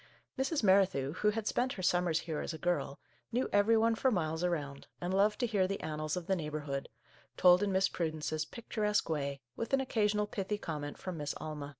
Mrs. Merrithew, who had spent her sum mers here as a girl, knew every one for miles around, and loved to hear the annals of the neighbourhood, told in Miss Prudence's pic turesque way, with an occasional pithy com ment from Miss Alma.